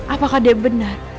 apakah dia benar